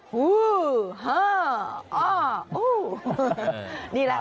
ฮือฮ่าอ้ออู้นี่แหละค่ะ